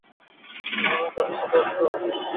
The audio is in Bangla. তাদের সাথে অস্ত্র আছে।